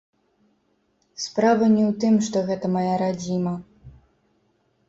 Справа не ў тым, што гэта мая радзіма.